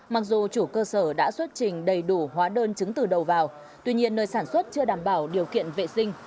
mặc dù chủ cơ sở đã xuất trình đầy đủ hóa đơn chứng từ đầu vào tuy nhiên nơi sản xuất chưa đảm bảo điều kiện vệ sinh